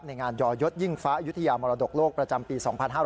งานยอยศยิ่งฟ้ายุธยามรดกโลกประจำปี๒๕๕๙